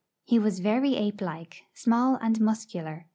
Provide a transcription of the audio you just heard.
He was very ape like, small and muscular.